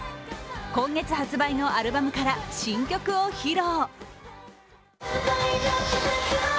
今月発売のアルバムから新曲を披露。